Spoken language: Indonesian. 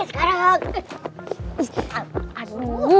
ribet amat si sultan